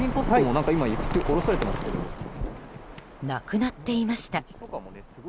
なくなっていました。